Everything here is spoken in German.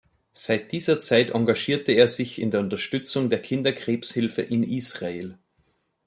Seit dieser Zeit engagierte er sich in der Unterstützung der Kinderkrebshilfe in Israel.